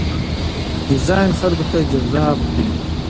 ډیزاین خلکو ته جذاب دی.